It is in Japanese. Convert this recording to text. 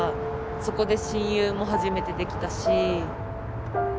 そこで親友も初めてできたし。